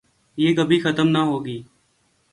یہ کبھی ختم نہ ہوگی ۔